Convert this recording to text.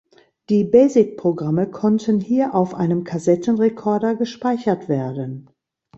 Die Basic-Programme konnten hier auf einem Kassettenrecorder gespeichert werden.